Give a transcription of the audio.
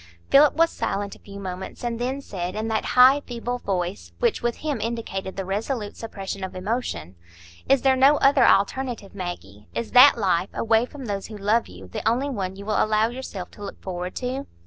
Philip was silent a few moments, and then said, in that high, feeble voice which with him indicated the resolute suppression of emotion,— "Is there no other alternative, Maggie? Is that life, away from those who love you, the only one you will allow yourself to look forward to?"